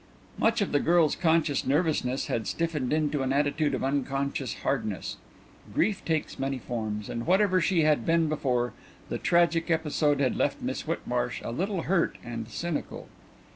Much of the girl's conscious nervousness had stiffened into an attitude of unconscious hardness. Grief takes many forms, and whatever she had been before, the tragic episode had left Miss Whitmarsh a little hurt and cynical.